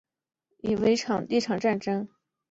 这是武田信玄以上洛为目的的一场战争。